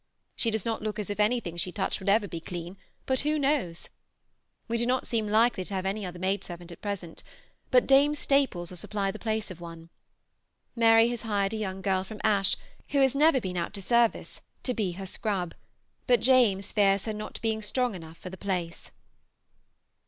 She does not look as if anything she touched would ever be clean, but who knows? We do not seem likely to have any other maidservant at present, but Dame Staples will supply the place of one. Mary has hired a young girl from Ashe who has never been out to service to be her scrub, but James fears her not being strong enough for the place.